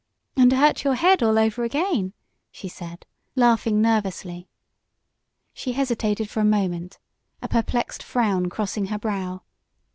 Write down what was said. "And hurt your head all over again," she said, laughing nervously. She hesitated for a moment, a perplexed frown crossing her brow.